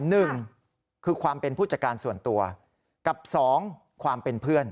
หนึ่งคือความเป็นผู้จัดการส่วนตัวกับสองความเป็นเพื่อน